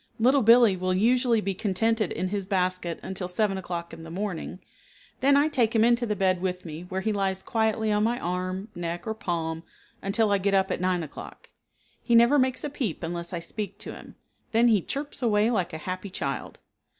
Little Billee will usually be contented in his basket until 7 o'clock in the morning, then I take him into the bed with me where he lies quietly on my arm, neck, or palm until I get up at 9 o'clock. He never makes a peep unless I speak to him, then he chirps away like a happy child.